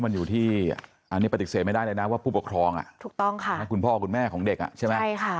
อันนี้ปฏิเสธไม่ได้เลยนะว่าผู้ปกครองคุณพ่อคุณแม่ของเด็ก